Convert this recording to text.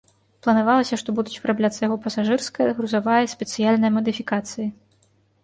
Планавалася, што будуць вырабляцца яго пасажырская, грузавая і спецыяльная мадыфікацыі.